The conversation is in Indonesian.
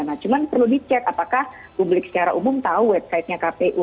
nah cuma perlu dicek apakah publik secara umum tahu website nya kpu